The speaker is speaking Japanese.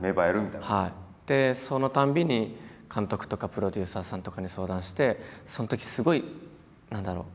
でそのたんびに監督とかプロデューサーさんとかに相談してそのときすごい何だろう